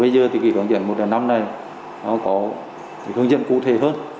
bây giờ thì hướng dẫn một trăm linh năm này có hướng dẫn cụ thể hơn